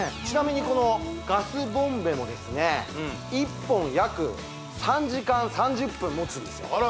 ちなみにこのガスボンベもですね１本約３時間３０分もつんですよ